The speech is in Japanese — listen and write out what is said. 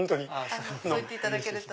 そう言っていただけると。